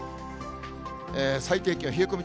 最低気温、冷え込み